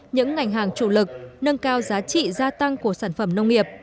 những ngành hàng chủ lực nâng cao giá trị gia tăng của sản phẩm nông nghiệp